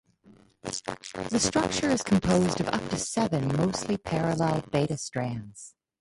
The structure is composed of up to seven mostly parallel beta strands.